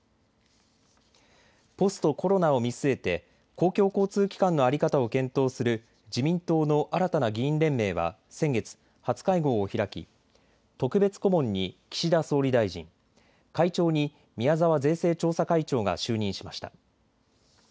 ポストコロナを見据えて公共交通機関の在り方を検討する自民党の新たな議員連盟は先月、初会合を開き特別顧問に岸田総理大臣、会長に宮沢税制調査会長が就任しました。